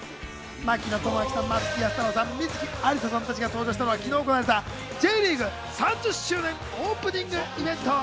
槙野智章さん、松木安太郎さん、観月ありささん達が登場したのは昨日行われた、Ｊリーグ３０周年オープニングイベント。